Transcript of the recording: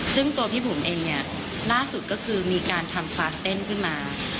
ซึ่งตัวพี่บุ๋มเองเนี่ยล่าสุดก็คือมีการทำฟาสเต้นขึ้นมา